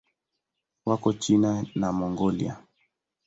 Wako China na Mongolia.